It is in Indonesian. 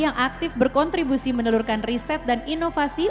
yang aktif berkontribusi menelurkan riset dan inovasi